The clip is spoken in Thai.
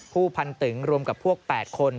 ผู้พันตึงรวมกับพวก๘คน